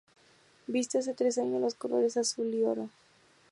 Viste hace tres años los colores azul y oro.